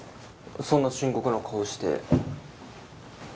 そんな深刻な顔して。